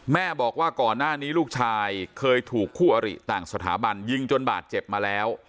แม่บอกว่าก่อนหน้านี้ลูกชายเคยถูกคู่อริต่างสถาบันยิงจนบาดเจ็บมาแล้ว